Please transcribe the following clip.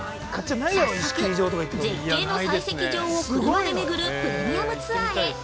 ◆早速、絶景の採石場を車でめぐるプレミアムツアーへ。